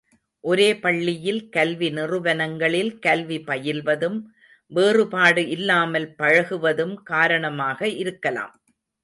ஒரே பள்ளியில் கல்வி நிறுவனங்களில் கல்வி பயில்வதும் வேறுபாடு இல்லாமல் பழகுவதும் காரணமாக இருக்கலாம்.